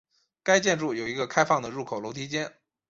该建筑有一个开放的入口楼梯间。